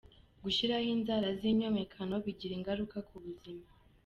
Gushyiraho inzara z’inzomekano bigira ingaruka ku buzima